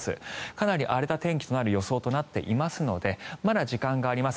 かなり荒れた天気となる予想となっていますのでまだ時間があります。